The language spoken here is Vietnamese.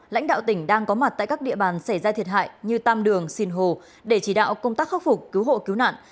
lãnh đạo tỉnh đang có mặt tại các địa bàn xảy ra thiệt hại như tam đường sinh hồ để chỉ đạo công tác khắc phục cứu hộ cứu nạn